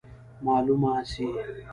معلومه سي.